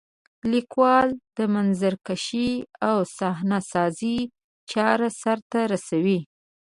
لیکوال د منظرکشۍ او صحنه سازۍ چاره سرته رسوي.